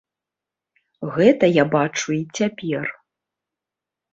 Гэта я бачу і цяпер.